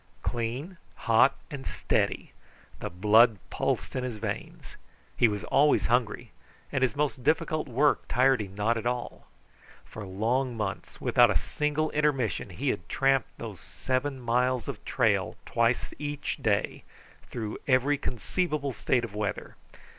Clean, hot, and steady the blood pulsed in his veins. He was always hungry, and his most difficult work tired him not at all. For long months, without a single intermission, he had tramped those seven miles of trail twice each day, through every conceivable state of weather.